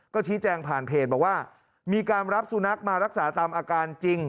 ก็ชี้แจงผ่านเพจบอกว่ามีการรับสุนัขมารักษาตามอาการจริง